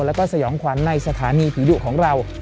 แล้วก็สยองขวัญในสถานีผีดุของเรา